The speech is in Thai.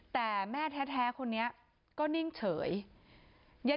แต่แม่แท้คนนี้ก็นิ่งเฉย